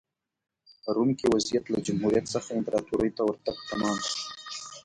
په روم کې وضعیت له جمهوریت څخه امپراتورۍ ته ورتګ تمام شو